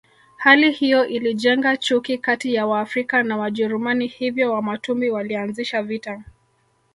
Hali hiyo ilijenga chuki kati ya Waafrika na Wajerumani hivyo Wamatumbi walianzisha vita